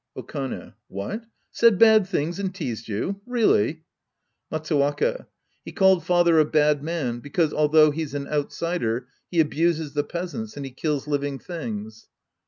Okane. What ? Said bad things and teased you ? Really? Matsttwaka. He called father a bad man because, although he's an pytsider, he abuses the peasants, and he kills living things.